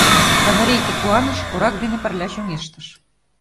Канарейке куаныш, корак дене пырля чоҥештыш.